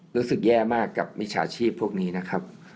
รู้สึกแย่มากกับมิจฉาชีพพวกนี้นะครับ